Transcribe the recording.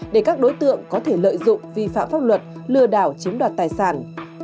để các đối tượng có thể lợi dụng vi phạm pháp luật lừa đảo chiếm đoạt tài sản